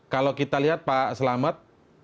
kalau kita lihat pak selamet